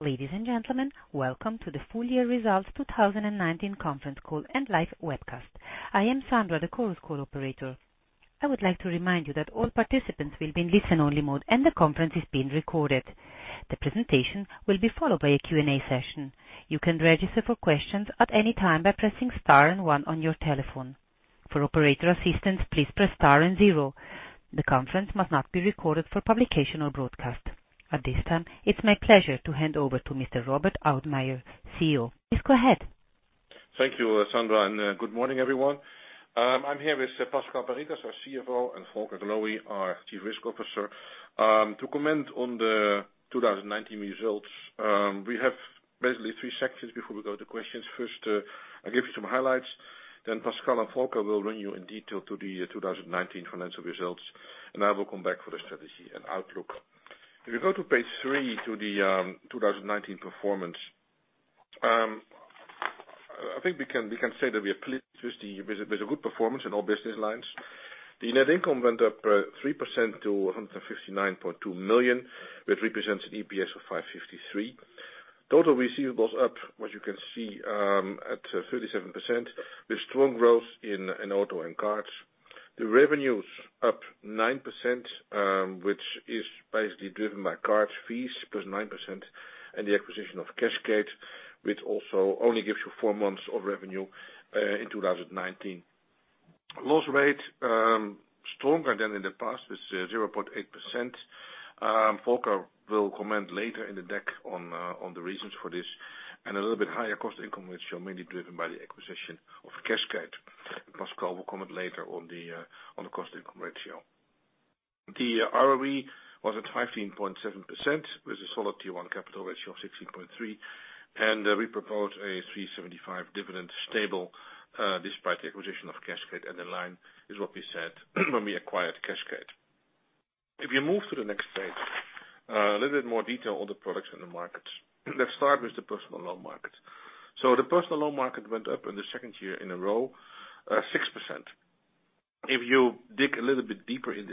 Ladies and gentlemen, welcome to the full-year results 2019 conference call and live webcast. I am Sandra, the call's call operator. I would like to remind you that all participants will be in listen-only mode and the conference is being recorded. The presentation will be followed by a Q&A session. You can register for questions at any time by pressing star and one on your telephone. For operator assistance, please press star and zero. The conference must not be recorded for publication or broadcast. At this time, it is my pleasure to hand over to Mr. Robert Oudmayer, CEO. Please go ahead. Thank you, Sandra. Good morning, everyone. I'm here with Pascal Perritaz, our CFO, and Volker Gloe, our Chief Risk Officer, to comment on the 2019 results. We have basically three sections before we go to questions. First, I'll give you some highlights, then Pascal and Volker will run you in detail through the 2019 financial results, and I will come back for the strategy and outlook. If you go to page three to the 2019 performance. I think we can say that we are pleased with the good performance in all business lines. The net income went up 3% to 159.2 million, which represents an EPS of 553. Total receivables up, as you can see, at 37%, with strong growth in auto and cards. Revenues up 9%, which is basically driven by card fees, plus 9%, and the acquisition of cashgate, which also only gives you four months of revenue, in 2019. Loss rate stronger than in the past with 0.8%. Volker will comment later in the deck on the reasons for this. A little bit higher cost income, which are mainly driven by the acquisition of cashgate. Pascal will comment later on the cost-income ratio. ROE was at 15.7% with a solid Tier 1 capital ratio of 16.3%. We proposed a 3.75 dividend stable, despite the acquisition of cashgate. The line is what we said when we acquired cashgate. If you move to the next page. A little bit more detail on the products and the markets. Let's start with the personal loan market. The personal loan market went up in the second year in a row, 6%. If you dig a little bit deeper into 6%,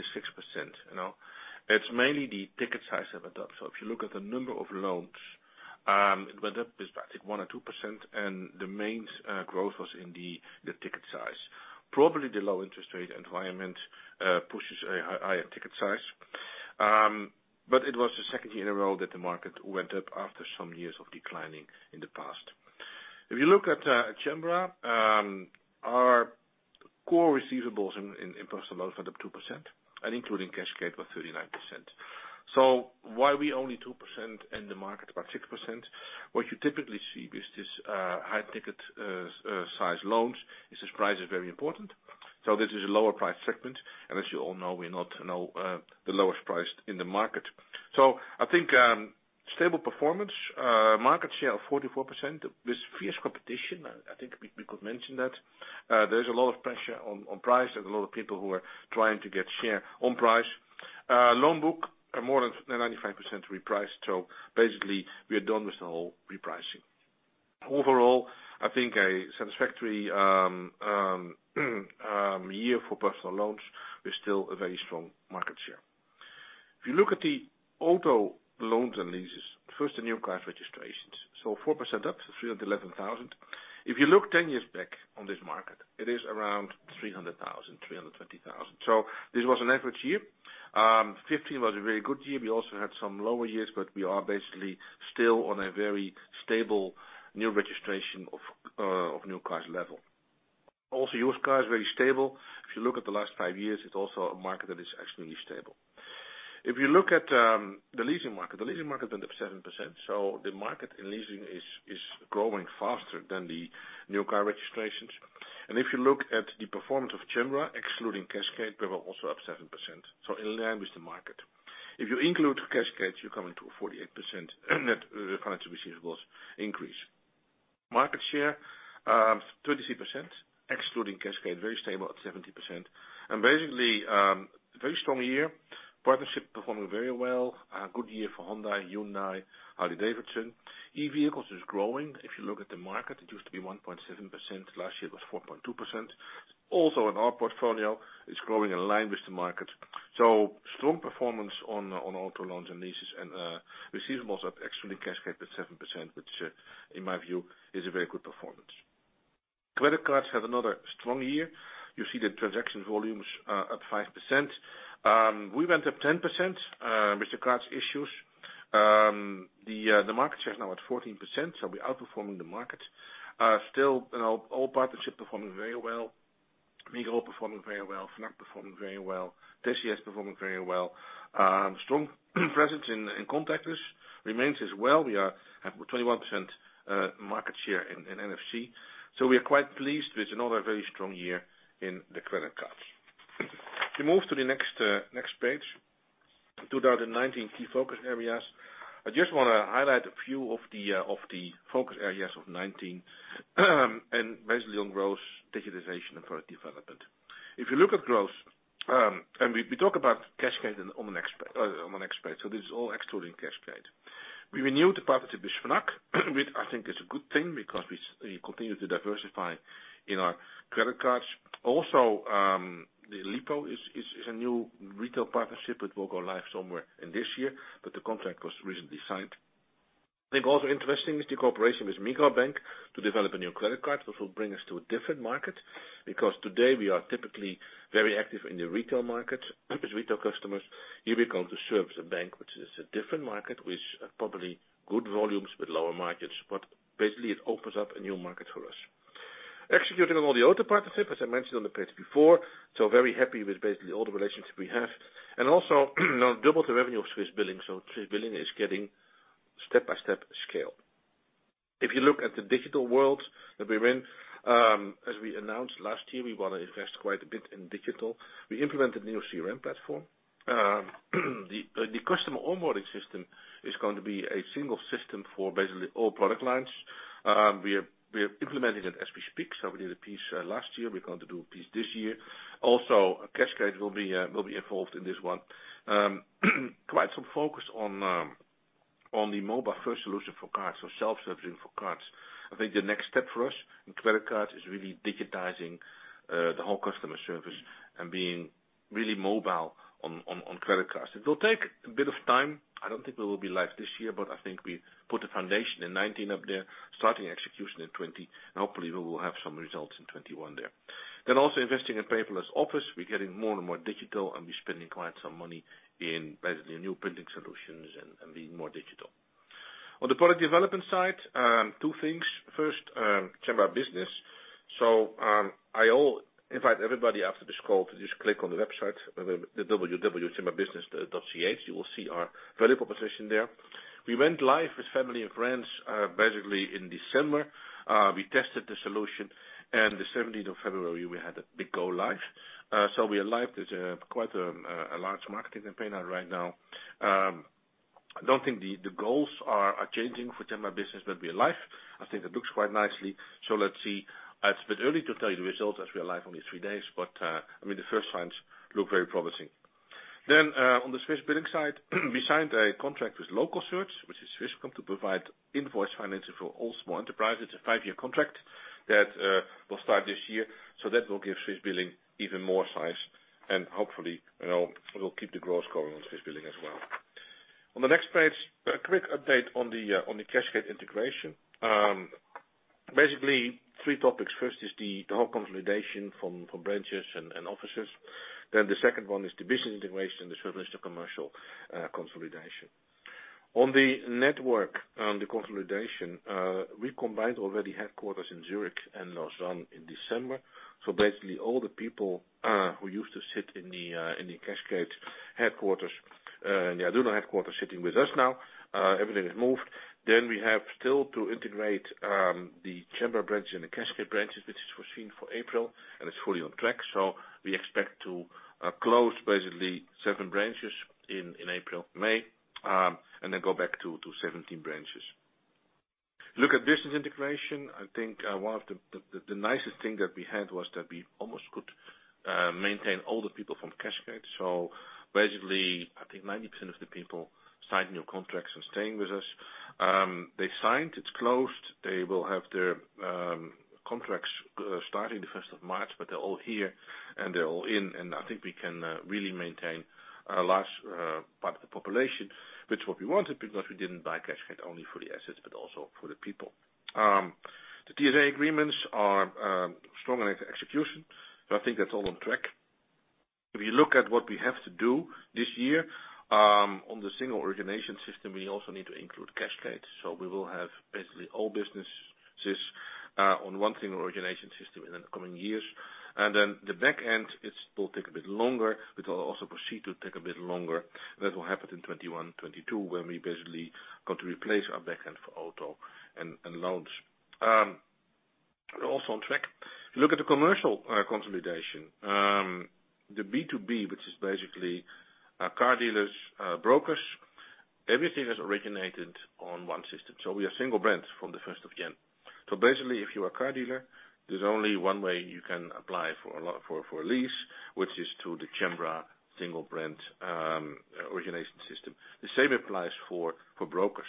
it's mainly the ticket size that went up. If you look at the number of loans, it went up, basically, one or 2%, and the main growth was in the ticket size. Probably the low interest rate environment pushes a higher ticket size. It was the second year in a row that the market went up after some years of declining in the past. If you look at Cembra, our core receivables in personal loans went up 2%, and including cashgate was 39%. Why we only 2% in the market, about 6%? What you typically see with these high-ticket size loans is price is very important. This is a lower price segment. As you all know, we're not the lowest priced in the market. I think stable performance, market share of 44% with fierce competition, I think we could mention that. There's a lot of pressure on price and a lot of people who are trying to get share on price. Loan book are more than 95% repriced. Basically, we are done with the whole repricing. Overall, I think a satisfactory year for personal loans with still a very strong market share. If you look at the auto loans and leases, first, the new car registrations. 4% up, 311,000. If you look 10 years back on this market, it is around 300,000, 320,000. This was an average year. 2015 was a very good year. We also had some lower years, we are basically still on a very stable new registration of new cars level. Used cars, very stable. If you look at the last five years, it's also a market that is extremely stable. If you look at the leasing market, the leasing market went up 7%. The market in leasing is growing faster than the new car registrations. If you look at the performance of Cembra, excluding cashgate, we were also up 7%. In line with the market. If you include cashgate, you're coming to a 48% net financial receivables increase. Market share, 33%, excluding cashgate, very stable at 70%. Basically, a very strong year. Partnership performing very well. A good year for Honda, Hyundai, Harley-Davidson. E-vehicles is growing. If you look at the market, it used to be 1.7%. Last year it was 4.2%. In our portfolio, it's growing in line with the market. Strong performance on auto loans and leases and receivables up, excluding cashgate, at 7%, which in my view is a very good performance. Credit cards had another strong year. You see the transaction volumes are at 5%. We went up 10% with the cards issues. The market share is now at 14%, so we're outperforming the market. All partnership performing very well. Manor performing very well. Fnac performing very well. TCS performing very well. Strong presence in contactless remains as well. We are at 21% market share in NFC. We are quite pleased with another very strong year in the credit cards. If you move to the next page, 2019 key focus areas. I just want to highlight a few of the focus areas of 2019. Basically on growth, digitization, and product development. You look at growth, and we talk about cashgate on an expate. This is all excluding cashgate. we renewed the partnership with Fnac, which I think is a good thing because we continue to diversify in our credit cards. LIPO is a new retail partnership which will go live somewhere in this year, but the contract was recently signed. I think also interesting is the cooperation with Migros Bank to develop a new credit card, which will bring us to a different market. Today we are typically very active in the retail market with retail customers. Here we come to serve the bank, which is a different market, with probably good volumes with lower margins, but basically it opens up a new market for us. Executing on all the other partnerships, as I mentioned on the page before, so very happy with basically all the relationships we have. Also, now double the revenue of Swissbilling, so Swissbilling is getting step-by-step scale. If you look at the digital world that we're in, as we announced last year, we want to invest quite a bit in digital. We implemented a new CRM platform. The customer onboarding system is going to be a single system for basically all product lines. We're implementing it as we speak, so we did a piece last year, we're going to do a piece this year. Also, cashgate will be involved in this one. Quite some focus on the mobile-first solution for cards, so self-servicing for cards. I think the next step for us in credit cards is really digitizing the whole customer service and being really mobile on credit cards. It will take a bit of time. I don't think we will be live this year. I think we put a foundation in 2019 up there, starting execution in 2020, and hopefully we will have some results in 2021 there. Also investing in paperless office. We're getting more and more digital, and we're spending quite some money in basically new printing solutions and being more digital. On the product development side, two things. First, Cembra Business. I invite everybody after this call to just click on the website, the www.cembrabusiness.ch. You will see our value proposition there. We went live with family and friends basically in December. We tested the solution. The 17th of February we had a big go live. We are live. There's quite a large marketing campaign out right now. I don't think the goals are changing for Cembra Business, but we are live. I think that looks quite nicely. Let's see. It's a bit early to tell you the results as we are live only three days, but the first signs look very promising. On the Swissbilling side, we signed a contract with localsearch, which is Swisscom, to provide invoice financing for all small enterprises. A five-year contract that will start this year. That will give Swissbilling even more size and hopefully will keep the growth going on Swissbilling as well. On the next page, a quick update on the cashgate integration. Basically, three topics. First is the whole consolidation from branches and offices. The second one is the business integration, the service, the commercial consolidation. On the network, on the consolidation, we combined already headquarters in Zurich and Lausanne in December. Basically all the people who used to sit in the cashgate headquarters, the Aduno headquarters, sitting with us now. Everything is moved. We have still to integrate the Cembra branches and the cashgate branches, which is foreseen for April, and it's fully on track. We expect to close basically seven branches in April, May, and then go back to 17 branches. Look at business integration. I think one of the nicest thing that we had was that we almost could maintain all the people from cashgate. Basically, I think 90% of the people signed new contracts and staying with us. They signed, it's closed. They will have their contracts starting the 1st of March, they're all here and they're all in. I think we can really maintain a large part of the population, which is what we wanted because we didn't buy cashgate only for the assets but also for the people. The TSA agreements are strong on execution. I think that's all on track. If you look at what we have to do this year, on the single origination system, we also need to include cashgate. We will have basically all businesses on one single origination system in the coming years. The back end, it will take a bit longer, will also proceed to take a bit longer. That will happen in 2021, 2022, when we basically got to replace our back end for auto loans. Also on track. Look at the commercial consolidation. The B2B, which is basically our car dealers, brokers, everything is originated on one system. We are single brand from the 1st of January. Basically if you're a car dealer, there's only one way you can apply for a lease, which is through the Cembra single brand origination system. The same applies for brokers.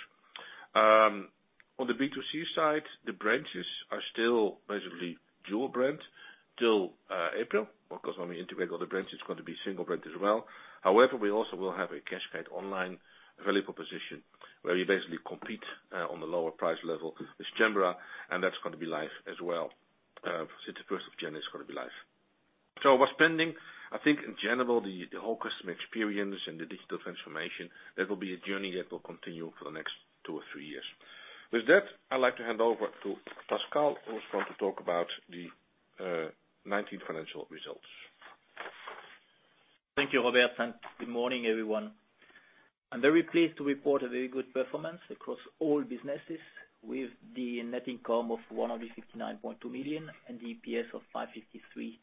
On the B2C side, the branches are still basically dual brand till April. Of course, when we integrate all the branches, it's going to be single brand as well. We also will have a Cashgate Online value proposition where we basically compete on the lower price level with Cembra. That's going to be live as well. Since the 1st of January, it's going to be live. We're spending, I think in general, the whole customer experience and the digital transformation, that will be a journey that will continue for the next two or three years. With that, I'd like to hand over to Pascal, who's going to talk about the 2019 financial results. Thank you, Robert, good morning, everyone. I'm very pleased to report a very good performance across all businesses with the net income of 169.2 million and EPS of 553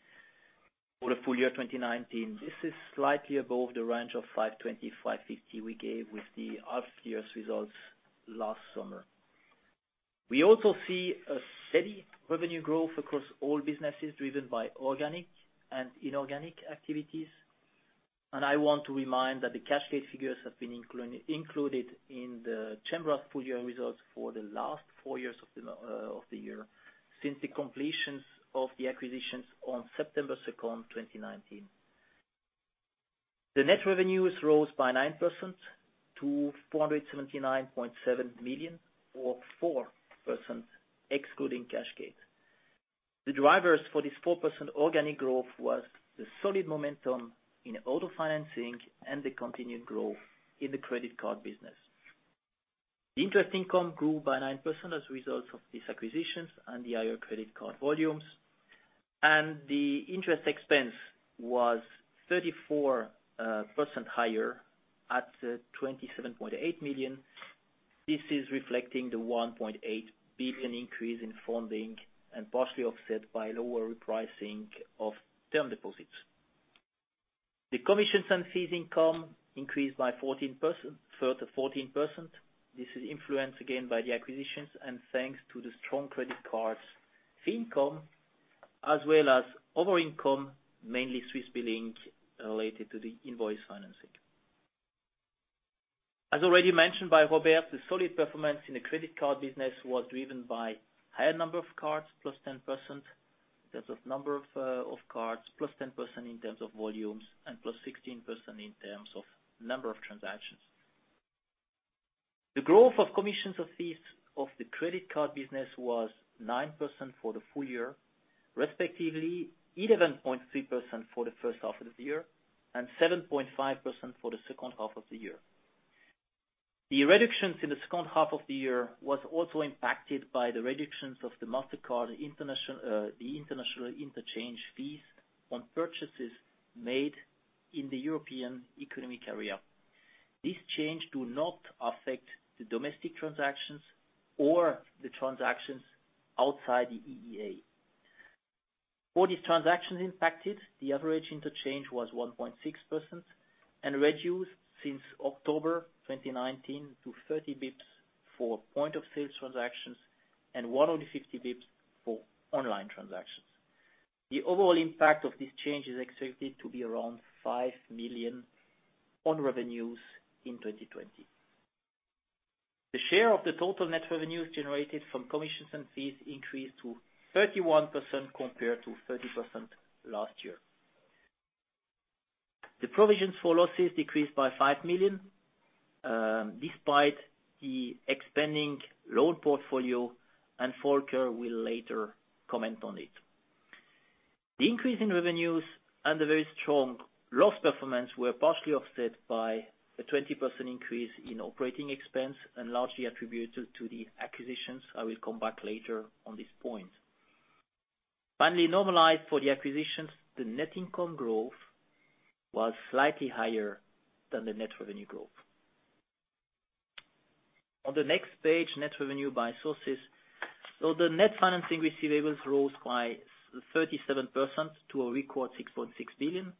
for the full-year 2019. This is slightly above the range of 520-550 we gave with the half year's results last summer. We also see a steady revenue growth across all businesses driven by organic and inorganic activities. I want to remind that the cashgate figures have been included in the Cembra full-year results for the last four years of the year since the completions of the acquisitions on September 2nd, 2019. The net revenues rose by 9% to 479.7 million, or 4% excluding cashgate. The drivers for this 4% organic growth was the solid momentum in auto financing and the continued growth in the credit card business. The interest income grew by 9% as a result of these acquisitions and the higher credit card volumes. The interest expense was 34% higher at 27.8 million. This is reflecting the 1.8 billion increase in funding and partially offset by lower repricing of term deposits. The commissions and fees income increased by 14%. This is influenced again by the acquisitions and thanks to the strong credit cards fee income, as well as other income, mainly Swissbilling related to the invoice financing. As already mentioned by Robert, the solid performance in the credit card business was driven by higher number of cards, +10% in terms of number of cards, +10% in terms of volumes, and plus 16% in terms of number of transactions. The growth of commissions of fees of the credit card business was 9% for the full-year, respectively 11.3% for the first half of the year and 7.5% for the second half of the year. The reductions in the second half of the year was also impacted by the reductions of the Mastercard, the international interchange fees on purchases made in the European Economic Area. This change do not affect the domestic transactions or the transactions outside the EEA. For these transactions impacted, the average interchange was 1.6% and reduced since October 2019 to 30 basis points for point of sales transactions and 150 basis points for online transactions. The overall impact of this change is expected to be around 5 million on revenues in 2020. The share of the total net revenues generated from commissions and fees increased to 31% compared to 30% last year. The provisions for losses decreased by 5 million, despite the expanding loan portfolio. Volker will later comment on it. The increase in revenues and the very strong loss performance were partially offset by a 20% increase in operating expense and largely attributed to the acquisitions. I will come back later on this point. Finally, normalized for the acquisitions, the net income growth was slightly higher than the net revenue growth. On the next page, net revenue by sources. The net financing receivables rose by 37% to a record 6.6 billion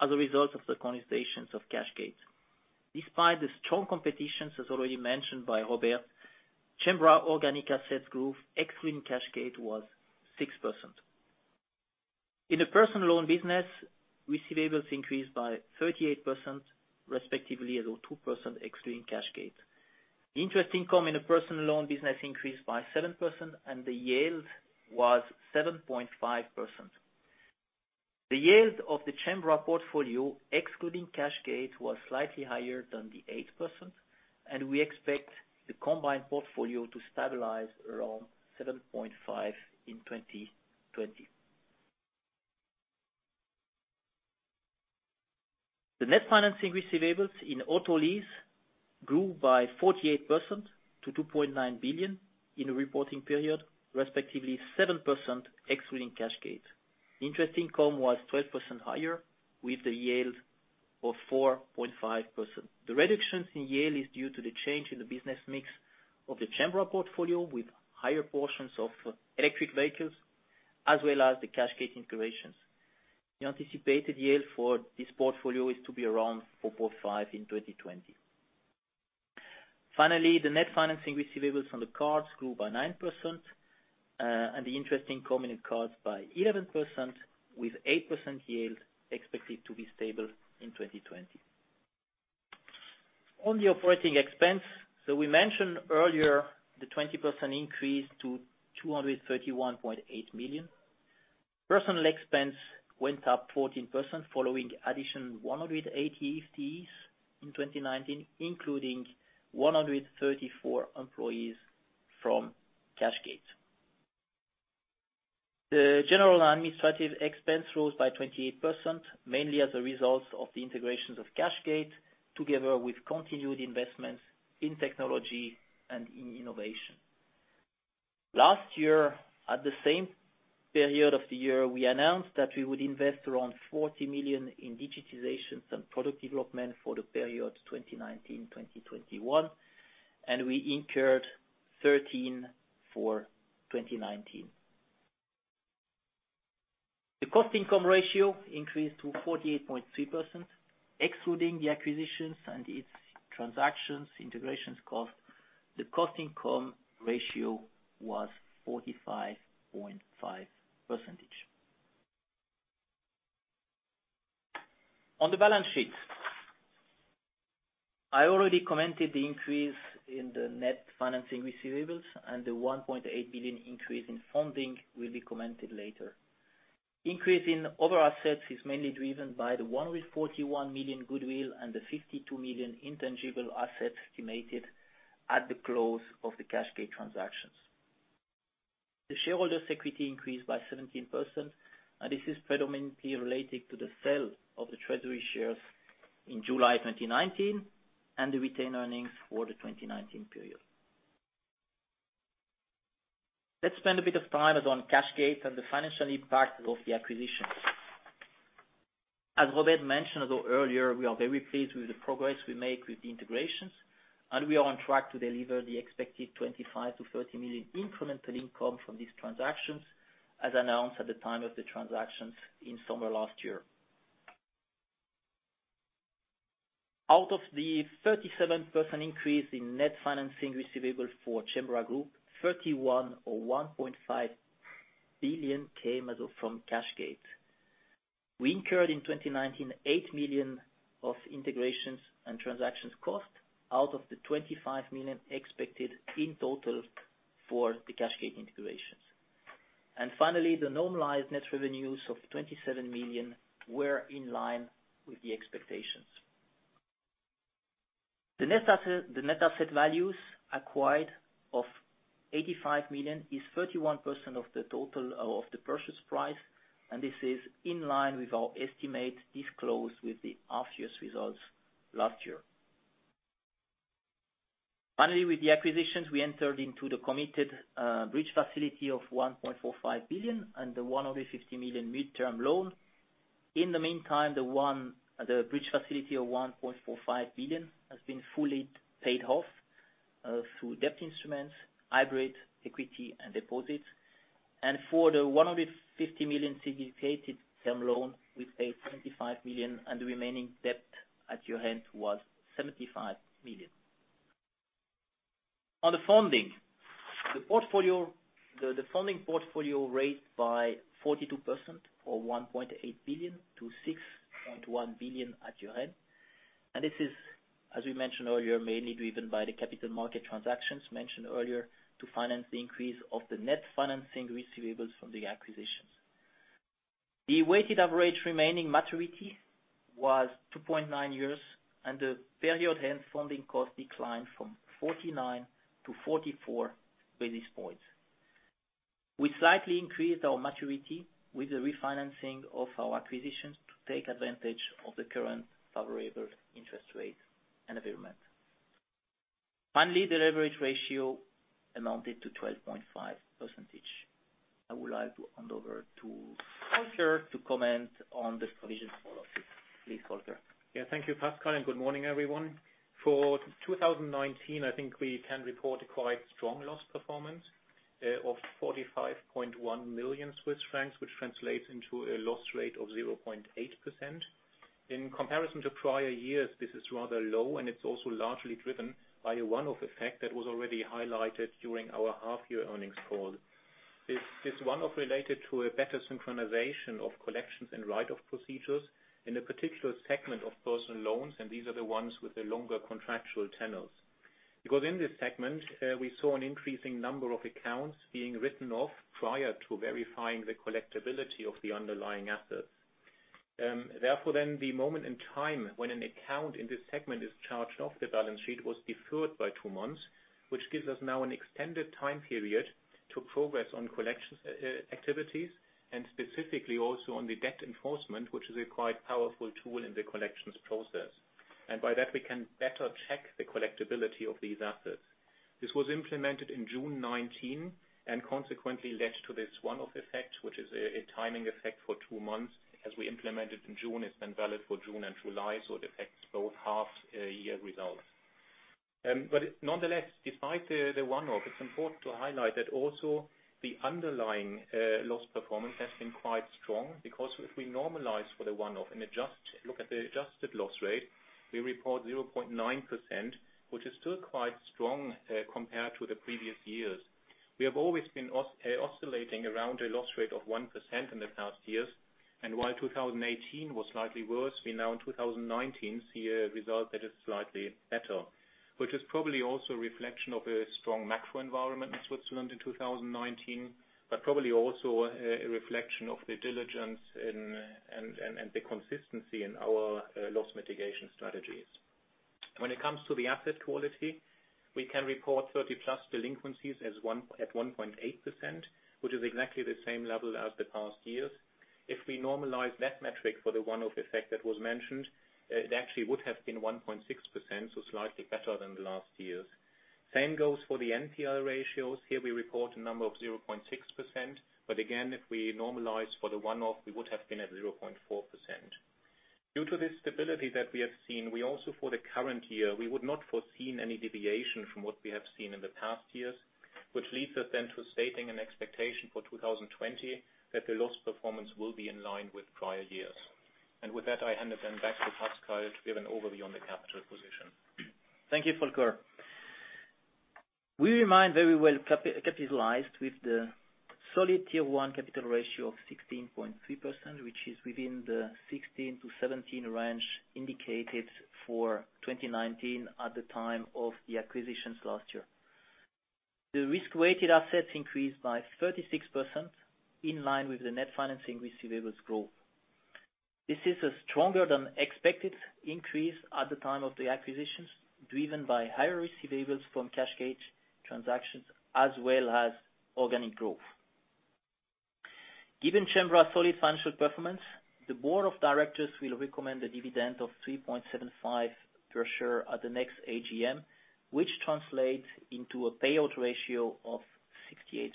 as a result of the consolidations of cashgate. Despite the strong competitions, as already mentioned by Robert, Cembra organic assets growth excluding cashgate was 6%. In the personal loan business, receivables increased by 38%, respectively at 2% excluding cashgate. Interest income in the personal loan business increased by 7%. The yield was 7.5%. The yield of the Cembra portfolio, excluding cashgate, was slightly higher than the 8%. We expect the combined portfolio to stabilize around 7.5% in 2020. The net financing receivables in auto lease grew by 48% to 2.9 billion in the reporting period, respectively 7% excluding cashgate. Interest income was 12% higher with a yield of 4.5%. The reductions in yield is due to the change in the business mix of the Cembra portfolio, with higher portions of electric vehicles as well as the cashgate integrations. The anticipated yield for this portfolio is to be around 4.5% in 2020. The net financing receivables on the cards grew by 9%. The interest income in cards by 11%, with 8% yield expected to be stable in 2020. On the operating expense, we mentioned earlier the 20% increase to 231.8 million. Personnel expense went up 14% following addition 180 FTEs in 2019, including 134 employees from cashgate. The general and administrative expense rose by 28%, mainly as a result of the integrations of cashgate, together with continued investments in technology and in innovation. Last year, at the same period of the year, we announced that we would invest around 40 million in digitizations and product development for the period 2019/2021, and we incurred 13 million for 2019. The cost-income ratio increased to 48.3%, excluding the acquisitions and its transactions integrations cost, the cost-income ratio was 45.5%. On the balance sheet, I already commented the increase in the net financing receivables and the 1.8 billion increase in funding will be commented later. Increase in other assets is mainly driven by the 141 million goodwill and the 52 million intangible assets estimated at the close of the cashgate transactions. The shareholder's equity increased by 17% this is predominantly related to the sale of the treasury shares in July 2019 and the retained earnings for the 2019 period. Let's spend a bit of time on cashgate and the financial impact of the acquisition. As Robert mentioned earlier, we are very pleased with the progress we make with the integrations, and we are on track to deliver the expected 25 million-30 million incremental income from these transactions, as announced at the time of the transactions in summer last year. Out of the 37% increase in net financing receivables for Cembra Group, 31% or 1.5 billion came from cashgate. We incurred in 2019, 8 million of integrations and transactions cost out of the 25 million expected in total for the cashgate integrations. Finally, the normalized net revenues of 27 million were in line with the expectations. The net asset values acquired of 85 million is 31% of the total of the purchase price, this is in line with our estimate disclosed with the half-year results last year. Finally, with the acquisitions, we entered into the committed, bridge facility of 1.45 billion and the 150 million mid-term loan. In the meantime, the bridge facility of 1.45 billion has been fully paid off, through debt instruments, hybrid equity, and deposits. For the 150 million syndicated term loan, we paid 75 million, and the remaining debt at year-end was 75 million. On the funding, the funding portfolio rate by 42% or 1.8 billion to 6.1 billion at year-end. This is, as we mentioned earlier, mainly driven by the capital market transactions mentioned earlier to finance the increase of the net financing receivables from the acquisitions. The weighted average remaining maturity was 2.9 years, and the period-end funding cost declined from 49 to 44 basis points. We slightly increased our maturity with the refinancing of our acquisitions to take advantage of the current favorable interest rate environment. Finally, the leverage ratio amounted to 12.5%. I would like to hand over to Volker to comment on the provision follow-up. Please, Volker. Yeah. Thank you, Pascal. Good morning, everyone. For 2019, I think we can report a quite strong loss performance, of 45.1 million Swiss francs, which translates into a loss rate of 0.8%. In comparison to prior years, this is rather low, and it's also largely driven by a one-off effect that was already highlighted during our half-year earnings call. This one-off related to a better synchronization of collections and write-off procedures in a particular segment of personal loans, and these are the ones with the longer contractual tenors. Because in this segment, we saw an increasing number of accounts being written off prior to verifying the collectibility of the underlying assets. The moment in time when an account in this segment is charged off the balance sheet was deferred by two months, which gives us now an extended time period to progress on collections activities, and specifically also on the debt enforcement, which is a quite powerful tool in the collections process. By that, we can better check the collectibility of these assets. This was implemented in June 2019, and consequently led to this one-off effect, which is a timing effect for two months. As we implemented in June, it's been valid for June and July, so it affects both half-year results. Nonetheless, despite the one-off, it's important to highlight that also the underlying loss performance has been quite strong because if we normalize for the one-off and look at the adjusted loss rate, we report 0.9%, which is still quite strong compared to the previous years. We have always been oscillating around a loss rate of 1% in the past years. While 2018 was slightly worse, we now in 2019 see a result that is slightly better, which is probably also a reflection of a strong macro environment in Switzerland in 2019, but probably also a reflection of the diligence and the consistency in our loss mitigation strategies. When it comes to the asset quality, we can report 30+ delinquencies at 1.8%, which is exactly the same level as the past years. We normalize that metric for the one-off effect that was mentioned, it actually would have been 1.6%, slightly better than the last years. Same goes for the NPL ratios. We report a number of 0.6%, again, if we normalize for the one-off, we would have been at 0.4%. Due to the stability that we have seen, we also for the current year, we would not foresee any deviation from what we have seen in the past years, which leads us then to stating an expectation for 2020 that the loss performance will be in line with prior years. With that, I hand it then back to Pascal to give an overview on the capital position. Thank you, Volker. We remain very well capitalized with the solid Tier 1 capital ratio of 16.3%, which is within the 16%-17% range indicated for 2019 at the time of the acquisitions last year. The risk-weighted assets increased by 36%, in line with the net financing receivables growth. This is a stronger than expected increase at the time of the acquisitions, driven by higher receivables from cashgate transactions as well as organic growth. Given Cembra's solid financial performance, the board of directors will recommend a dividend of 3.75 per share at the next AGM, which translates into a payout ratio of 68%.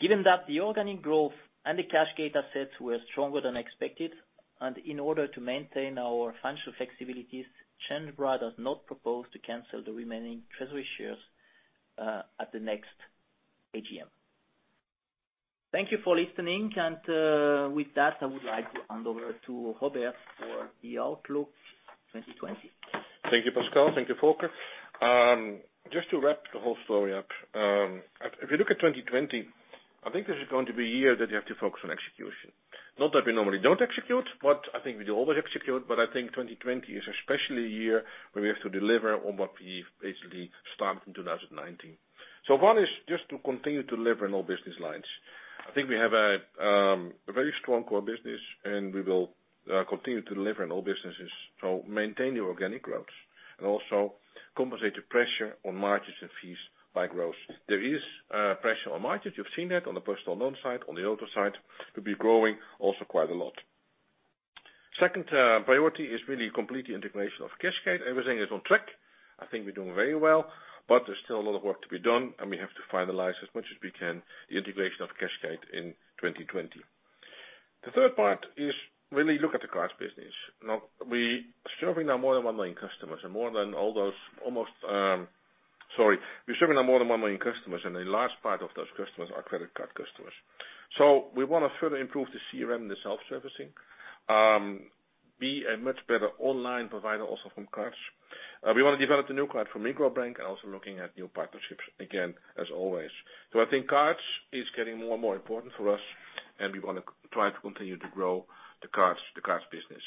Given that the organic growth and the cashgate assets were stronger than expected, in order to maintain our financial flexibilities, Cembra does not propose to cancel the remaining treasury shares at the next AGM. Thank you for listening. With that, I would like to hand over to Robert for the outlook 2020. Thank you, Pascal. Thank you, Volker. Just to wrap the whole story up. If you look at 2020, I think this is going to be a year that you have to focus on execution. Not that we normally don't execute, but I think we do always execute, but I think 2020 is especially a year where we have to deliver on what we've basically started in 2019. One is just to continue to deliver in all business lines. I think we have a very strong core business, and we will continue to deliver in all businesses. Maintain the organic growth and also compensate the pressure on margins and fees by growth. There is pressure on margins. You've seen that on the personal loan side, on the auto side, to be growing also quite a lot. Second priority is really complete the integration of cashgate. Everything is on track. I think we're doing very well, there's still a lot of work to be done, we have to finalize as much as we can the integration of cashgate in 2020. The third part is really look at the cards business. We're serving now more than 1 million customers, a large part of those customers are credit card customers. We want to further improve the CRM, the self-servicing, be a much better online provider also from cards. We want to develop the new card for Migros Bank also looking at new partnerships again, as always. I think cards is getting more and more important for us, we want to try to continue to grow the cards business.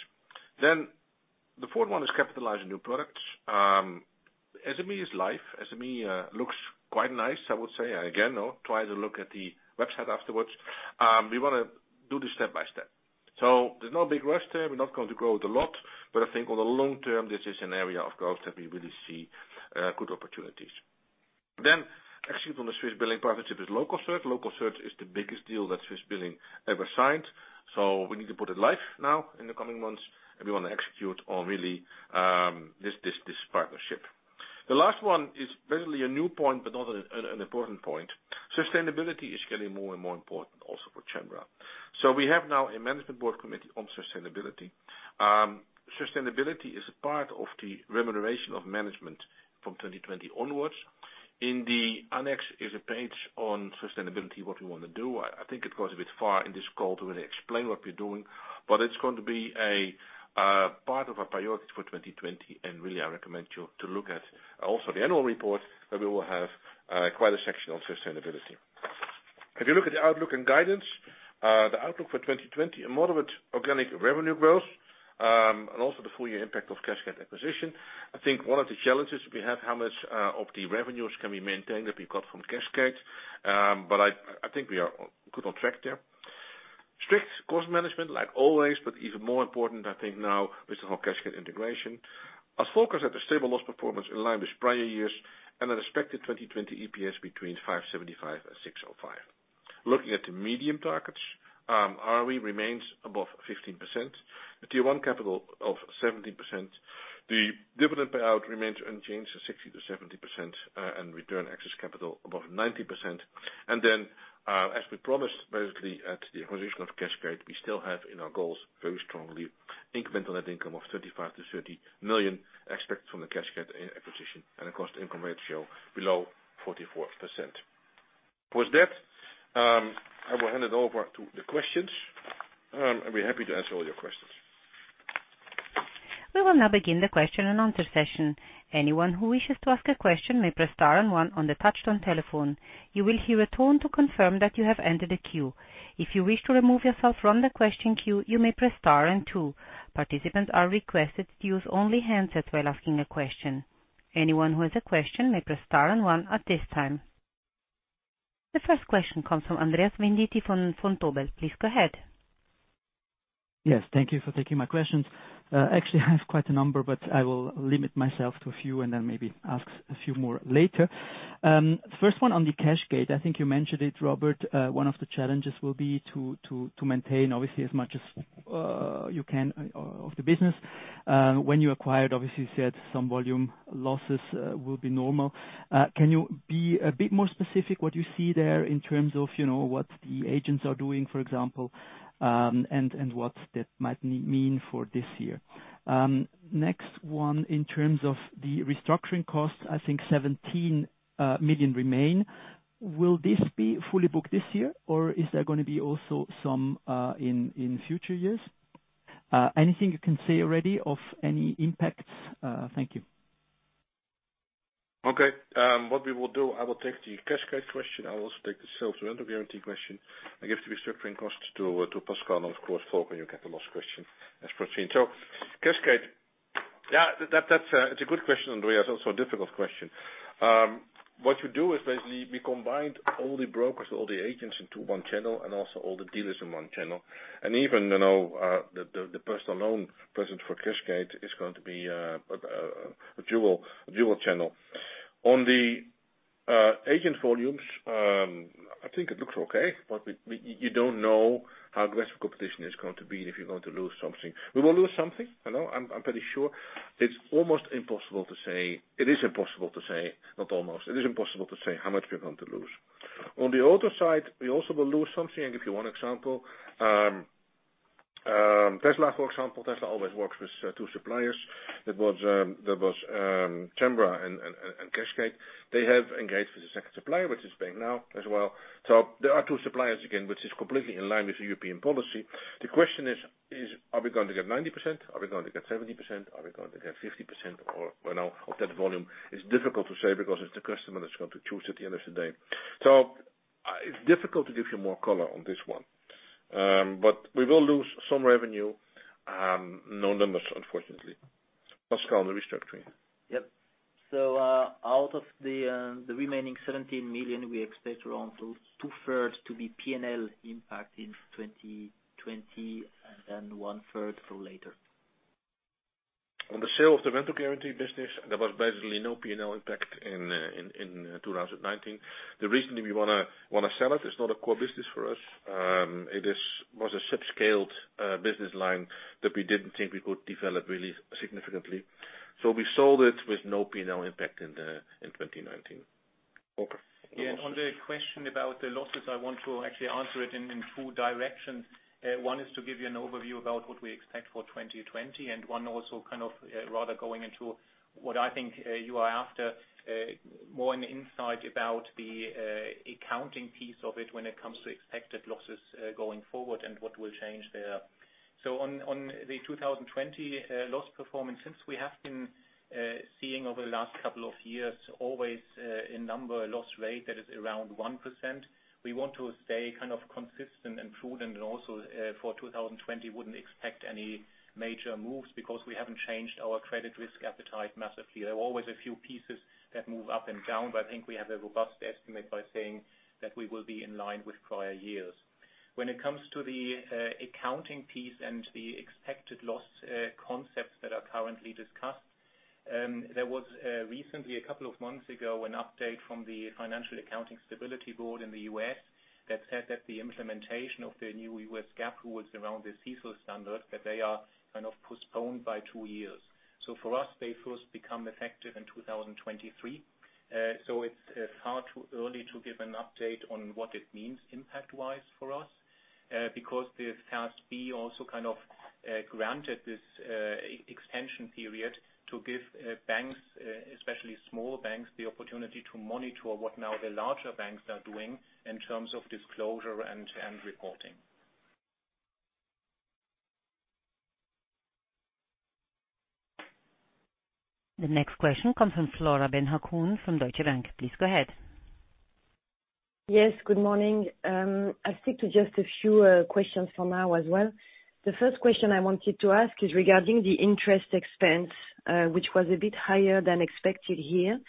The fourth one is capitalizing new products. SME is live. SME looks quite nice, I would say. Try to look at the website afterwards. We want to do this step by step. There's no big rush there. We're not going to grow it a lot, but I think on the long term, this is an area of growth that we really see good opportunities. Execute on the Swissbilling partnership with localsearch. localsearch is the biggest deal that Swissbilling ever signed. We need to put it live now in the coming months, and we want to execute on really this partnership. The last one is basically a new point, but also an important point. Sustainability is getting more and more important also for Cembra. We have now a management board committee on sustainability. Sustainability is a part of the remuneration of management from 2020 onwards. In the annex is a page on sustainability, what we want to do. I think it goes a bit far in this call to really explain what we're doing, but it's going to be a part of our priorities for 2020. Really, I recommend you to look at also the annual report, where we will have quite a section on sustainability. If you look at the outlook and guidance, the outlook for 2020, a moderate organic revenue growth, and also the full-year impact of cashgate acquisition. I think one of the challenges we have, how much of the revenues can we maintain that we got from cashgate, but I think we are good on track there. Strict cost management like always, but even more important, I think now with the whole cashgate integration. A focus at a stable loss performance in line with prior years and an expected 2020 EPS between 5.75 and 6.05. Looking at the medium targets, ROE remains above 15%, the Tier 1 capital of 17%, the dividend payout remains unchanged at 60%-70%, return excess capital above 90%. As we promised, basically at the acquisition of cashgate, we still have in our goals very strongly incremental net income of 25 million to 30 million expected from the cashgate acquisition and a cost-income ratio below 44%. With that, I will hand it over to the questions, and we're happy to answer all your questions. We will now begin the question-and-answer session. Anyone who wishes to ask a question may press star and one on the touchtone telephone. You will hear a tone to confirm that you have entered a queue. If you wish to remove yourself from the question queue, you may press star and two. Participants are requested to use only handsets while asking a question. Anyone who has a question may press star and one at this time. The first question comes from Andreas Venditti from Vontobel. Please go ahead. Yes. Thank you for taking my questions. Actually, I have quite a number, I will limit myself to a few and then maybe ask a few more later. First one on the cashgate, I think you mentioned it, Robert. One of the challenges will be to maintain obviously as much as you can of the business. When you acquired, obviously you said some volume losses will be normal. Can you be a bit more specific what you see there in terms of what the agents are doing, for example, and what that might mean for this year? Next one, in terms of the restructuring costs, I think 17 million remain. Will this be fully booked this year, is there going to be also some in future years? Anything you can say already of any impacts? Thank you. Okay. What we will do, I will take the cashgate question, I will also take the sales rental guarantee question. I give the restructuring costs to Pascal. Of course, Volker, you get the last question as per scene. cashgate. Yeah, it's a good question, Andreas. Also a difficult question. What you do is basically we combined all the brokers, all the agents into one channel and also all the dealers in one channel. Even the personal loan present for cashgate is going to be a dual channel. On the agent volumes, I think it looks okay, but you don't know how aggressive competition is going to be and if you're going to lose something. We will lose something. I'm pretty sure. It is impossible to say how much we're going to lose. On the auto side, we also will lose something. I'll give you one example. Tesla, for example, Tesla always works with two suppliers. There was Cembra and cashgate. They have engaged with the second supplier, which is bank-now as well. There are two suppliers again, which is completely in line with the European policy. The question is, are we going to get 90%? Are we going to get 70%? Are we going to get 50% or of that volume? It's difficult to say because it's the customer that's going to choose at the end of the day. It's difficult to give you more color on this one. We will lose some revenue. No numbers, unfortunately. Pascal, the restructuring. Yep. Out of the remaining 17 million, we expect around 2/3 to be P&L impact in 2020, and then 1/3 for later. On the sale of the rental guarantee business, there was basically no P&L impact in 2019. The reason we want to sell it's not a core business for us. It was a sub-scaled business line that we didn't think we could develop really significantly. We sold it with no P&L impact in 2019. Volker. Yeah. On the question about the losses, I want to actually answer it in two directions. One is to give you an overview about what we expect for 2020, and one also kind of rather going into what I think you are after, more an insight about the accounting piece of it when it comes to expected losses going forward and what will change there. On the 2020 loss performance, since we have been seeing over the last couple of years always a number loss rate that is around 1%, we want to stay consistent and prudent and also for 2020 wouldn't expect any major moves because we haven't changed our credit risk appetite massively. There are always a few pieces that move up and down, but I think we have a robust estimate by saying that we will be in line with prior years. When it comes to the accounting piece and the expected loss concepts that are currently discussed, there was recently, a couple of months ago, an update from the Financial Accounting Standards Board in the U.S. that said that the implementation of the new U.S. GAAP, which was around the CECL standard, that they are postponed by two years. For us, they first become effective in 2023. It's far too early to give an update on what it means impact-wise for us, because the FASB also granted this extension period to give banks, especially small banks, the opportunity to monitor what now the larger banks are doing in terms of disclosure and reporting. The next question comes from Flora Bocahut from Deutsche Bank. Please go ahead. Yes, good morning. I'll stick to just a few questions for now as well. The first question I wanted to ask is regarding the interest expense, which was a bit higher than expected here,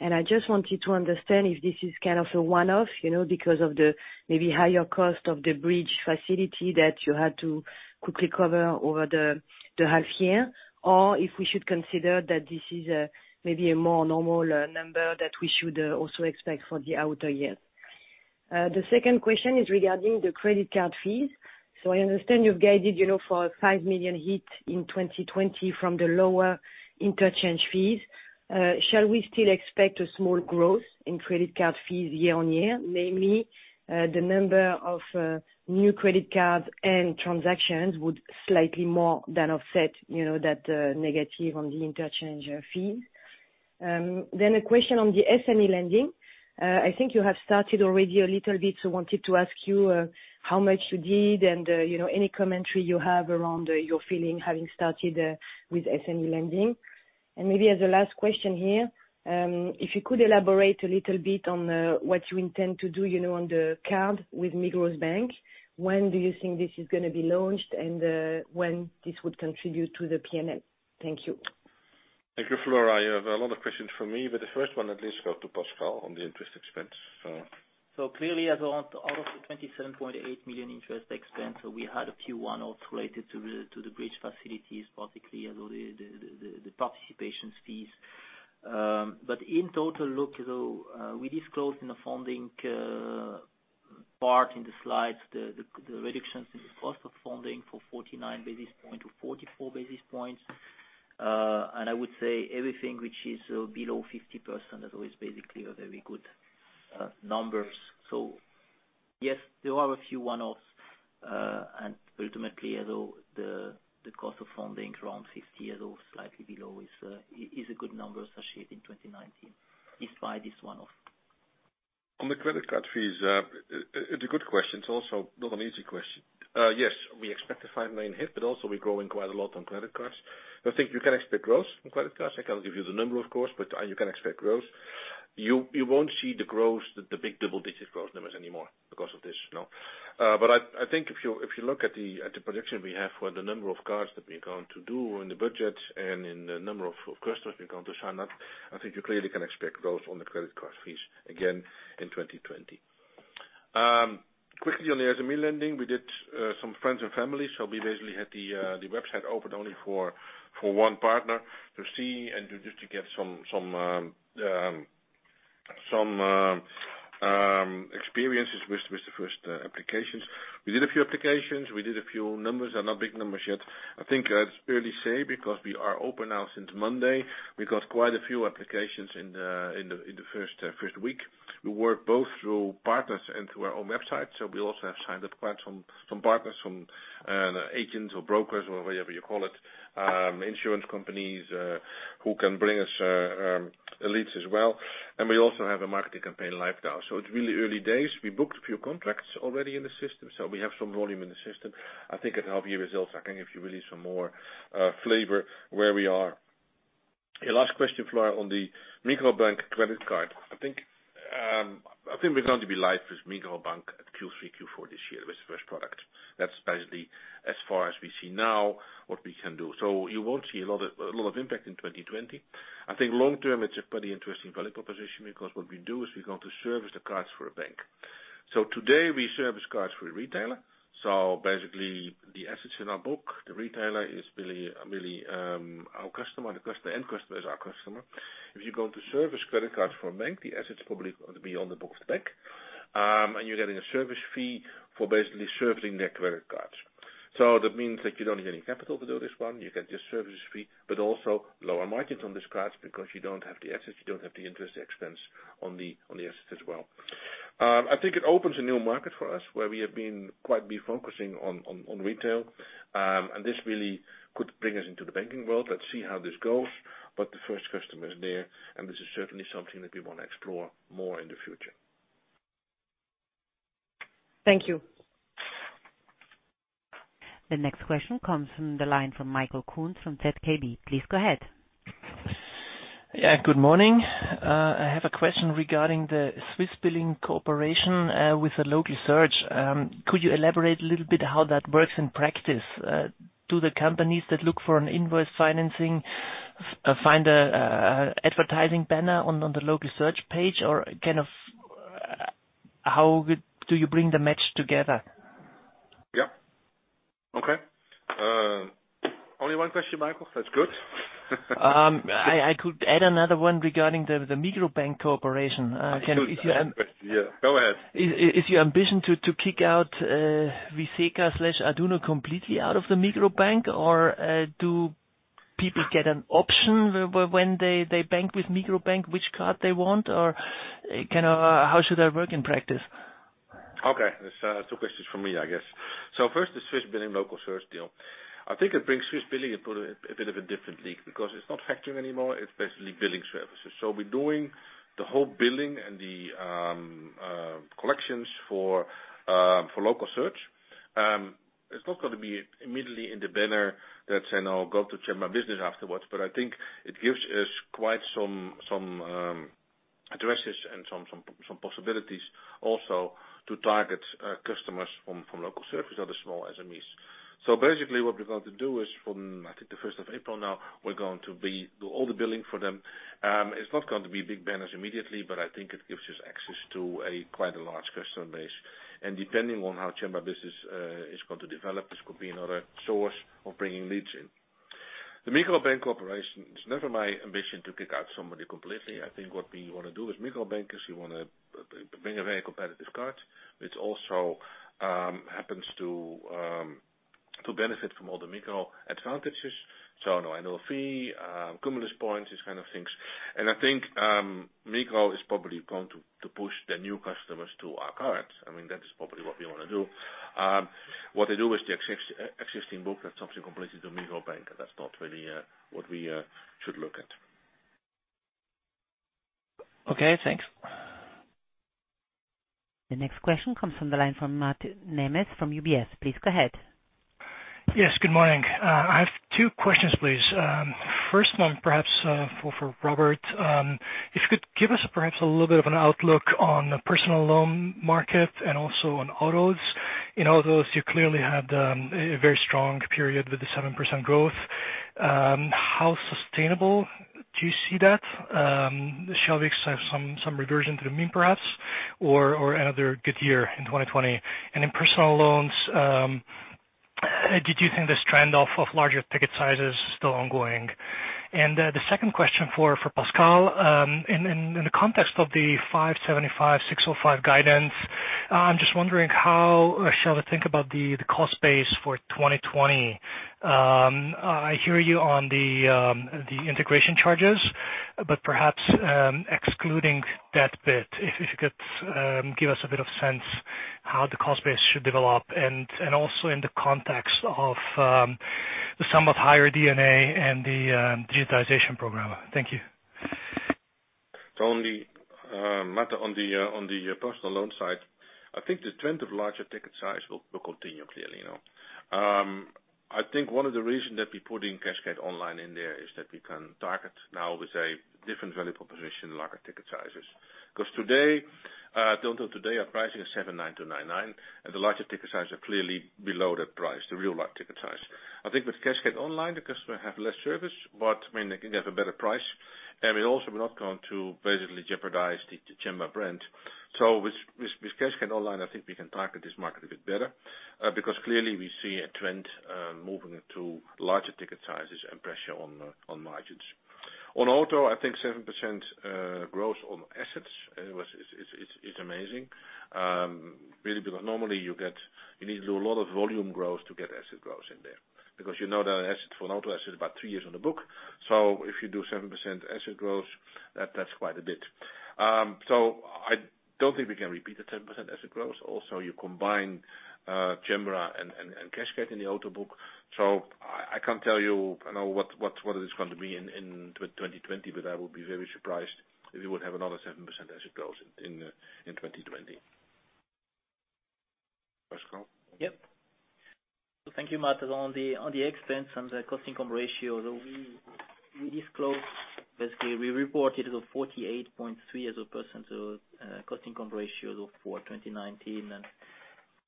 and I just wanted to understand if this is kind of a one-off, because of the maybe higher cost of the bridge facility that you had to quickly cover over the half year, or if we should consider that this is maybe a more normal number that we should also expect for the outer year. The second question is regarding the credit card fees. I understand you've guided for a 5 million hit in 2020 from the lower interchange fees. Shall we still expect a small growth in credit card fees year-over-year? Namely, the number of new credit cards and transactions would slightly more than offset that negative on the interchange fees. A question on the SME lending. I think you have started already a little bit, so wanted to ask you how much you did and any commentary you have around your feeling having started with SME lending. Maybe as a last question here, if you could elaborate a little bit on what you intend to do on the card with Migros Bank. When do you think this is going to be launched and when this would contribute to the P&L? Thank you. Thank you, Flora. You have a lot of questions for me, but the first one at least go to Pascal on the interest expense. Clearly, out of the 27.8 million interest expense, we had a few one-offs related to the bridge facilities, particularly the participations fees. In total, look, we disclosed in the funding part in the slides, the reductions in the cost of funding for 49 basis point to 44 basis points. I would say everything which is below 50% is always basically a very good numbers. Yes, there are a few one-offs, ultimately, although the cost of funding is around 50 basis points, slightly below is a good number associated in 2019, despite this one-off. On the credit card fees. It's a good question. It's also not an easy question. Yes, we expect a 5 million hit, but also we're growing quite a lot on credit cards. I think you can expect growth from credit cards. I can't give you the number, of course, but you can expect growth. You won't see the growth, the big double-digit growth numbers anymore because of this. I think if you look at the projection we have for the number of cards that we're going to do in the budget and in the number of customers we're going to sign up, I think you clearly can expect growth on the credit card fees again in 2020. Quickly on the SME lending, we did some friends and family, so we basically had the website open only for one partner to see and just to get some experiences with the first applications. We did a few applications. We did a few numbers, are not big numbers yet. I think it's early say because we are open now since Monday. We got quite a few applications in the first week. We work both through partners and through our own website, so we also have signed up quite some partners, some agents or brokers or whatever you call it, insurance companies, who can bring us leads as well. We also have a marketing campaign live now. It's really early days. We booked a few contracts already in the system, so we have some volume in the system. I think at half year results, I can give you really some more flavor where we are. Your last question, Flora, on the Migros Bank credit card. I think we're going to be live with Migros Bank at Q3, Q4 this year with the first product. That's basically as far as we see now what we can do. You won't see a lot of impact in 2020. I think long-term, it's a pretty interesting value proposition because what we do is we're going to service the cards for a bank. Today we service cards for a retailer. Basically the assets in our book, the retailer is really our customer, the end customer is our customer. If you're going to service credit cards for a bank, the asset's probably going to be on the books bank, and you're getting a service fee for basically serving their credit cards. That means that you don't need any capital to do this one. You get your service fee, also lower margins on these cards because you don't have the assets, you don't have the interest expense on the assets as well. I think it opens a new market for us where we have been quite focusing on retail. This really could bring us into the banking world. Let's see how this goes, the first customer is there, this is certainly something that we want to explore more in the future. Thank you. The next question comes from the line from Michael Kunz from ZKB. Please go ahead. Yeah, good morning. I have a question regarding the Swissbilling cooperation with the localsearch. Could you elaborate a little bit how that works in practice? Do the companies that look for an invoice financing find a advertising banner on the localsearch page or kind of how do you bring the match together? Yeah. Okay. Only one question, Michael. That's good. I could add another one regarding the Migros Bank cooperation. Yeah, go ahead. Is your ambition to kick out Viseca/Aduno completely out of the Migros Bank? Do people get an option when they bank with Migros Bank, which card they want, or how should that work in practice? Okay. That's two questions for me, I guess. First, the Swissbilling localsearch deal. I think it brings Swissbilling, it put a bit of a different league because it's not factoring anymore, it's basically billing services. We're doing the whole billing and the collections for localsearch. It's not going to be immediately in the banner that say now go to Cembra Business afterwards, I think it gives us quite some addresses and some possibilities also to target customers from localsearch who are the small SMEs. Basically what we're going to do is from, I think the 1st of April now, we're going to be do all the billing for them. It's not going to be big banners immediately, I think it gives us access to a quite a large customer base. Depending on how Cembra Business is going to develop, this could be another source of bringing leads in. The Migros Bank cooperation, it's never my ambition to kick out somebody completely. I think what we want to do with Migros Bank is we want to bring a very competitive card, which also happens to benefit from all the Migros advantages. No annual fee, Cumulus points, these kind of things. I think Migros is probably going to push their new customers to our cards. I mean, that is probably what we want to do. What they do with the existing book, that's up to completely to Migros Bank. That's not really what we should look at. Okay, thanks. The next question comes from the line from Mate Nemes from UBS. Please go ahead. Yes, good morning. I have two questions, please. First one, perhaps, for Robert. If you could give us perhaps a little bit of an outlook on the personal loan market and also on autos. In autos, you clearly had a very strong period with the 7% growth. How sustainable do you see that? Shall we expect some reversion to the mean perhaps or another good year in 2020? In personal loans, do you think this trend of larger ticket sizes is still ongoing? The second question for Pascal, in the context of the 575, 605 guidance, I'm just wondering how shall we think about the cost base for 2020? I hear you on the integration charges, but perhaps excluding that bit, if you could give us a bit of sense how the cost base should develop and also in the context of the somewhat higher D&A and the digitization program. Thank you. Mate on the personal loan side, I think the trend of larger ticket size will continue, clearly. I think one of the reasons that we put in Cashgate Online in there is that we can target now with a different value proposition, larger ticket sizes. Until today, our pricing is 79%-99%, and the larger ticket sizes are clearly below that price, the real large ticket size. I think with Cashgate Online, the customer have less service, but they can get a better price, and we also will not going to basically jeopardize the Cembra brand. With Cashgate Online, I think we can target this market a bit better, because clearly we see a trend moving to larger ticket sizes and pressure on margins. On auto, I think 7% growth on assets is amazing. Really, because normally you need to do a lot of volume growth to get asset growth in there. You know the asset for an auto asset is about three years on the book. If you do 7% asset growth, that's quite a bit. I don't think we can repeat the 7% asset growth. Also, you combine Cembra and cashgate in the auto book. I can't tell you what it is going to be in 2020, but I would be very surprised if we would have another 7% asset growth in 2020. Pascal? Yep. Thank you, Mate. On the expense, on the cost-income ratio, though, we disclosed, basically, we reported a 48.3% of cost-income ratio for 2019.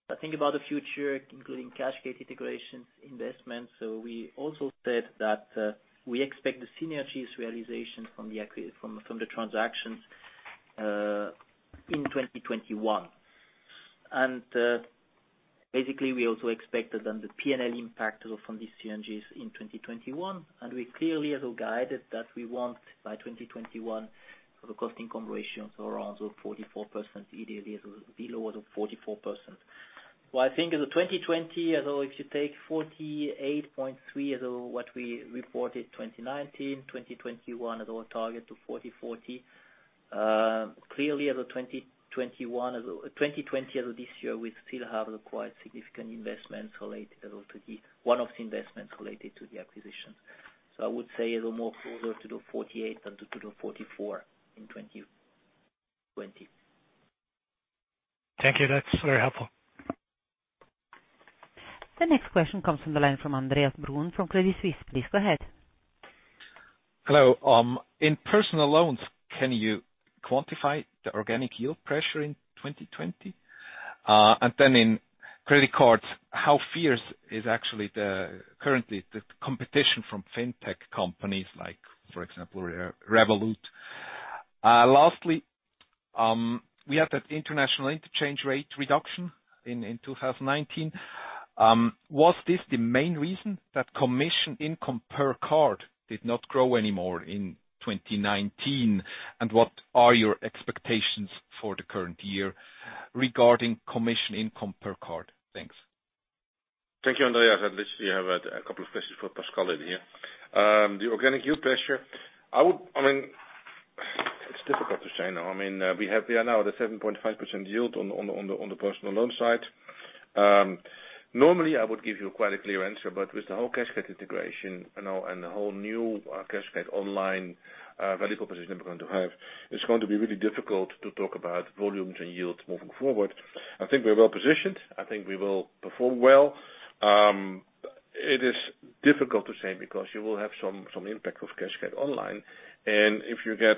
I think about the future, including cashgate integrations, investments. We also said that we expect the synergies realization from the transactions in 2021. Basically, we also expected then the P&L impact from these synergies in 2021. We clearly have guided that we want by 2021, the cost-income ratios are around 44%, ideally it will be lower than 44%. I think the 2020, if you take 48.3% as what we reported 2019, 2021 as our target to 40/40, clearly as of 2020, this year, we still have quite significant investments related to the one-off investments related to the acquisitions. I would say a little more closer to the 48 than to the 44 in 2020. Thank you. That's very helpful. The next question comes from the line from Andreas Brun from Credit Suisse. Please go ahead. Hello. In personal loans, can you quantify the organic yield pressure in 2020? In credit cards, how fierce is actually currently the competition from fintech companies like, for example, Revolut? Lastly, we had that international interchange rate reduction in 2019. Was this the main reason that commission income per card did not grow anymore in 2019? What are your expectations for the current year regarding commission income per card? Thanks. Thank you, Andreas. At least you have a couple of questions for Pascal in here. The organic yield pressure. It is difficult to say now. We are now at a 7.5% yield on the personal loan side. Normally, I would give you quite a clear answer, but with the whole cashgate integration and the whole new Cashgate Online value proposition we're going to have, it's going to be really difficult to talk about volumes and yields moving forward. I think we're well positioned. I think we will perform well. It is difficult to say because you will have some impact of Cashgate Online. If you get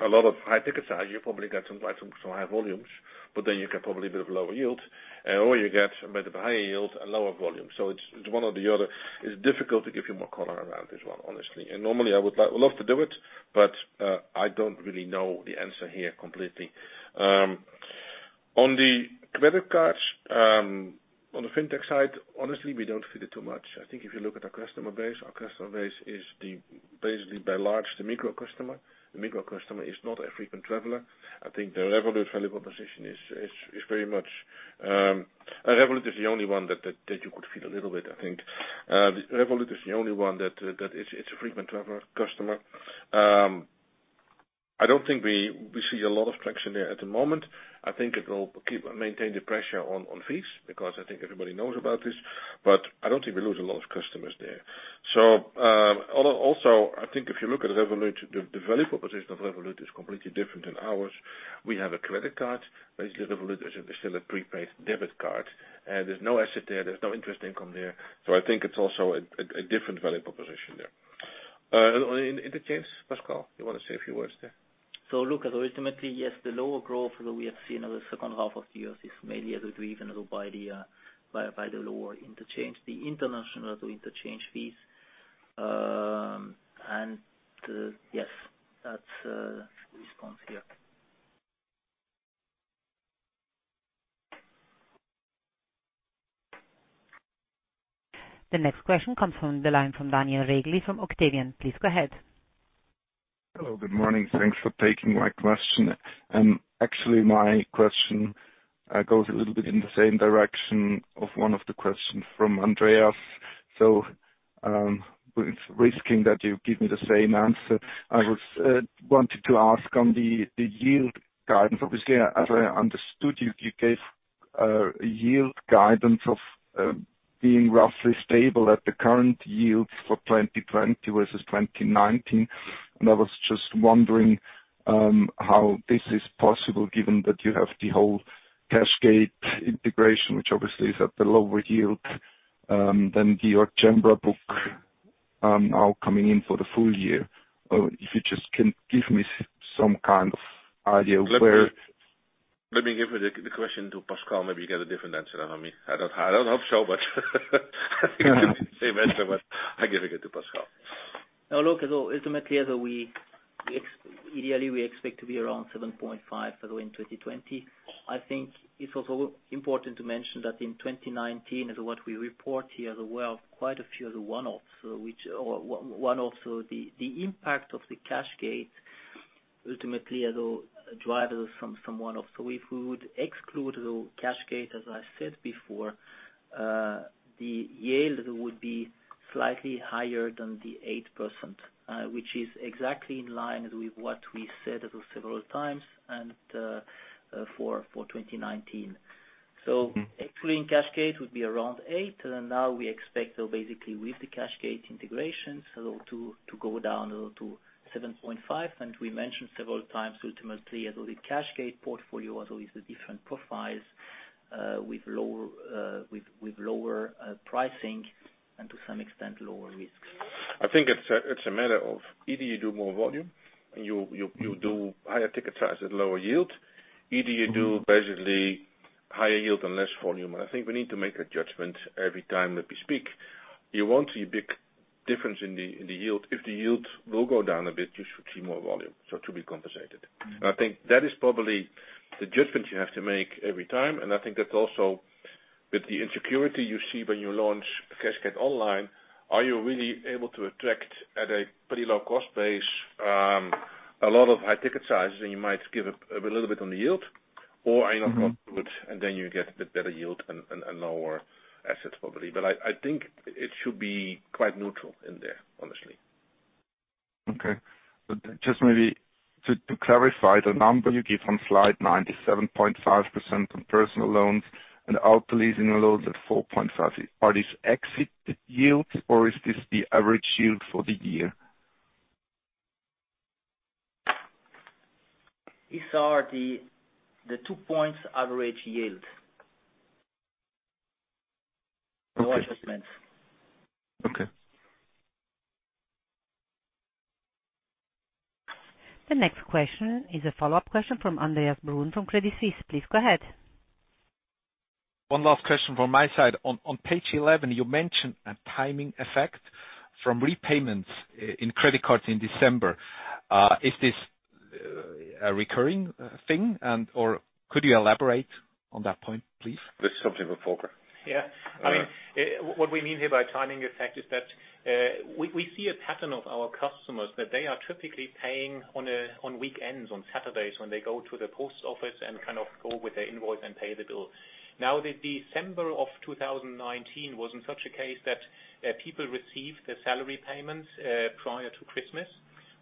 a lot of high ticket size, you probably get some high volumes, but then you get probably a bit of lower yield. You get a bit of a higher yield, a lower volume. It's one or the other. It's difficult to give you more color around this one, honestly. Normally I would love to do it, but I don't really know the answer here completely. On the credit cards, on the fintech side, honestly, we don't feel it too much. I think if you look at our customer base, our customer base is basically by large, the Migros customer. The Migros customer is not a frequent traveler. I think Revolut is the only one that you could feel a little bit, I think. Revolut is the only one that is a frequent traveler customer. I don't think we see a lot of traction there at the moment. I think it will maintain the pressure on fees, because I think everybody knows about this, but I don't think we lose a lot of customers there. Also, I think if you look at Revolut, the value proposition of Revolut is completely different than ours. We have a credit card. Basically, Revolut is still a prepaid debit card, and there's no asset there's no interest income there. I think it's also a different value proposition there. On interchange, Pascal, you want to say a few words there? Look, ultimately, yes, the lower growth that we have seen in the second half of the year is mainly driven by the lower interchange, the international interchange fees. Yes, that's the response here. The next question comes from the line from Daniel Regli from Octavian. Please go ahead. Hello. Good morning. Thanks for taking my question. Actually, my question goes a little bit in the same direction of one of the questions from Andreas. With risking that you give me the same answer, I wanted to ask on the yield guidance. Obviously, as I understood you gave a yield guidance of being roughly stable at the current yields for 2020 versus 2019, and I was just wondering how this is possible given that you have the whole cashgate integration, which obviously is at the lower yield than your Cembra book now coming in for the full-year. If you just can give me some kind of idea where. Let me give the question to Pascal, maybe you get a different answer than me. I don't hope so, but I think it's the same answer, but I'm giving it to Pascal. Ultimately, ideally we expect to be around 7.5% for the year 2020. I think it's also important to mention that in 2019, what we report here, there were quite a few of the one-offs. The impact of the cashgate ultimately are the drivers from one-off. If we would exclude cashgate, as I said before, the yield would be slightly higher than the 8%, which is exactly in line with what we said several times and for 2019. Excluding cashgate would be around eight, now we expect, basically with the cashgate integration, to go down to 7.5%. We mentioned several times, ultimately, the cashgate portfolio was always the different profiles with lower pricing and to some extent, lower risks. I think it's a matter of either you do more volume and you do higher ticket charges, lower yield, either you do basically higher yield and less volume. I think we need to make a judgment every time that we speak. You won't see a big difference in the yield. If the yield will go down a bit, you should see more volume, so to be compensated. I think that is probably the judgment you have to make every time. I think that also with the insecurity you see when you launch Cashgate Online, are you really able to attract at a pretty low cost base, a lot of high ticket sizes, and you might give up a little bit on the yield or are you not going to, and then you get a bit better yield and lower assets probably. I think it should be quite neutral in there, honestly. Okay. Just maybe to clarify the number you give on slide nine to 7.5% on personal loans and auto leasing loans at 4.5%. Are these exit yields or is this the average yield for the year? These are the two points average yield. No adjustments. Okay. The next question is a follow-up question from Andreas Brun from Credit Suisse. Please go ahead. One last question from my side. On page 11, you mentioned a timing effect from repayments in credit cards in December. Is this a recurring thing and/or could you elaborate on that point, please? This is something for Volker. Yeah. What we mean here by timing effect is that we see a pattern of our customers that they are typically paying on weekends, on Saturdays when they go to the post office and go with their invoice and pay the bill. Now, the December of 2019 was in such a case that people received their salary payments prior to Christmas,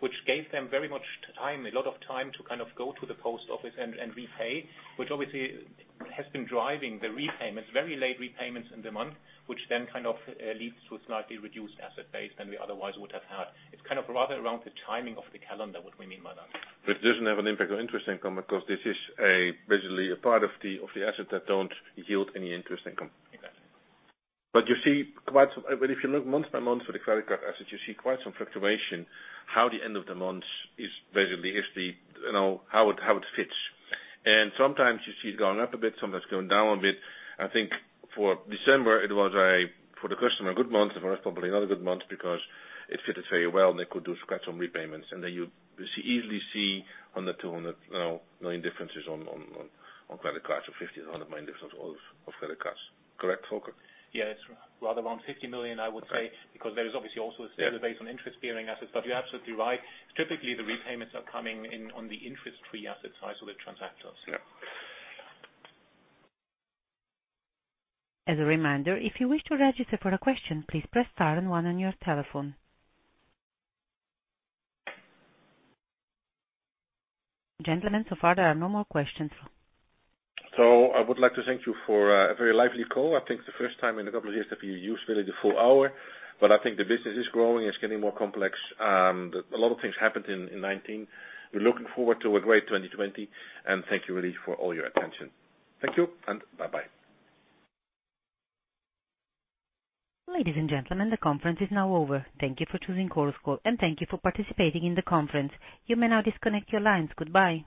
which gave them very much time, a lot of time to go to the post office and repay, which obviously has been driving the repayments, very late repayments in the month, which then leads to a slightly reduced asset base than we otherwise would have had. It's rather around the timing of the calendar, what we mean by that. It doesn't have an impact on interest income because this is basically a part of the asset that don't yield any interest income. Exactly. If you look month by month for the credit card assets, you see quite some fluctuation, how the end of the month is basically how it fits. Sometimes you see it's going up a bit, sometimes it's going down a bit. I think for December it was, for the customer, a good month. For us, probably not a good month because it fitted very well, and they could do quite some repayments. Then you easily see 100 million-200 million differences on credit cards, or 50 million, 100 million difference of credit cards. Correct, Volker? Yeah. It's rather around 50 million, I would say, because there is obviously also a stable base on interest-bearing assets. You're absolutely right. Typically, the repayments are coming in on the interest-free asset side of the transactions. Yeah. As a reminder, if you wish to register for a question, please press star and one on your telephone. Gentlemen, so far there are no more questions. I would like to thank you for a very lively call. I think it's the first time in a couple of years that we used really the full hour. I think the business is growing. It's getting more complex. A lot of things happened in 2019. We're looking forward to a great 2020. Thank you really for all your attention. Thank you. Bye-bye. Ladies and gentlemen, the conference is now over. Thank you for choosing Chorus Call, and thank you for participating in the conference. You may now disconnect your lines. Goodbye.